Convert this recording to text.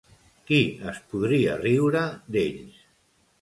Qui es podria riure d'ells?